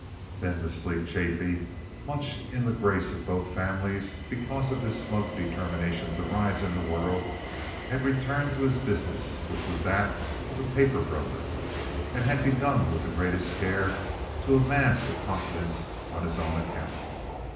Then the sleek Chaffee, much in the grace of both families because of his smug determination to rise in the world, had returned to his business, which was that of a paper broker, and had begun with the greatest care to amass a competence on his own account.